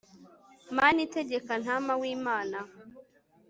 mana itegeka, ntama w'imana